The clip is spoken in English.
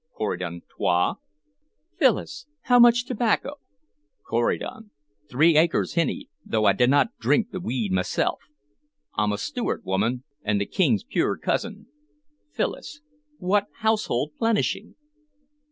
Corydon. "Twa." Phyllis. "How much tobacco?" Corydon. "Three acres, hinny, though I dinna drink the weed mysel'. I'm a Stewart, woman, an' the King's puir cousin." Phyllis. "What household plenishing?"